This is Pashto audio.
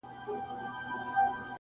د درد پېټی دي را نیم که چي یې واخلم,